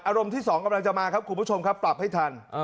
อารมณ์ที่๒กำลังจะมาครับคุณผู้ชมครับปรับให้ทัน